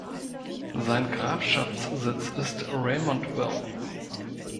Sein Grafschaftssitz ist Raymondville.